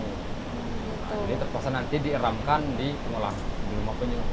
jadi terpaksa nanti diiramkan di pengolahan rumah penyuh